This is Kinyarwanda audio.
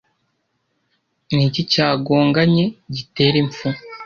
niki cyagonganye gitera impfu